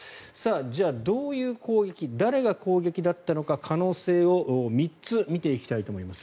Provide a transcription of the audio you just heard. じゃあどういう攻撃誰の攻撃だったのか可能性を３つ見ていきたいと思います。